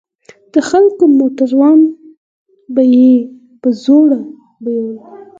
د خلکو موټران به يې په زوره بيول.